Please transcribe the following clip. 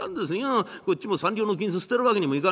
こっちも三両の金子捨てるわけにもいかねえんでね